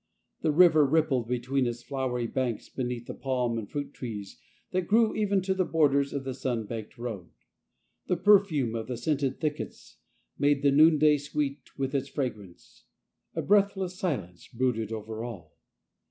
The river rippled between its flowery banks beneath the palms and the fruit trees that grew even to the borders of the sun baked road. The perfume of the scented thickets made the noonday sweet with its fragrance; a breath less silence brooded over all.